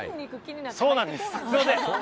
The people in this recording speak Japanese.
そうなんです。